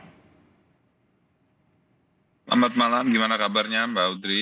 selamat malam gimana kabarnya mbak putri